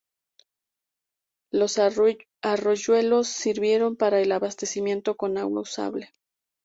Los arroyuelos sirvieron para el abastecimiento con agua usable.